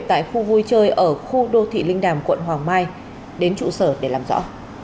tại khu vui chơi ở khu đô thị linh đàm quận hoàng mai đến trụ sở để làm rõ